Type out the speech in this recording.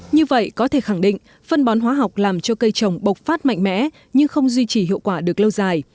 như vậy có thể khẳng định phân bón hóa học làm cho cây trồng bộc phát mạnh mẽ nhưng không duy trì hiệu quả được lâu dài